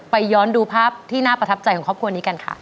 ย้อนดูภาพที่น่าประทับใจของครอบครัวนี้กันค่ะ